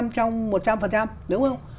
trong một trăm linh đúng không